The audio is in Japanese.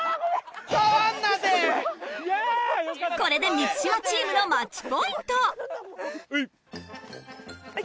これで満島チームのマッチポイントほい。